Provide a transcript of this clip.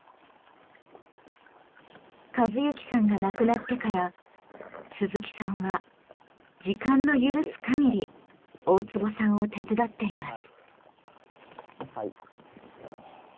一幸さんが亡くなってから鈴木さんは時間の許す限り大坪さんを手伝っています。